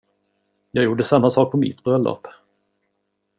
Jag gjorde samma sak för mitt bröllop!